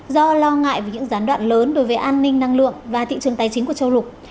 do lo ngại về những gián đoạn lớn đối với an ninh năng lượng và thị trường tài chính của châu lục